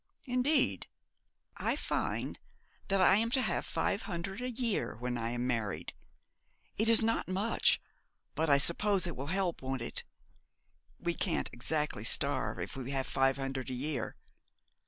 'Indeed!' 'I find that I am to have five hundred a year when I am married. It is not much. But I suppose it will help, won't it? We can't exactly starve if we have five hundred a year.